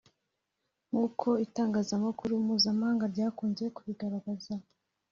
nk’uko itangazamakuru mpuzamahanga ryakunze kubigaragaza